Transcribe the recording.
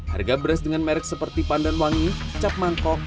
harga beras dengan merek seperti pandan wangi cap mangkok